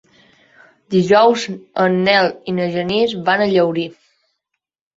Dijous en Nel i en Genís van a Llaurí.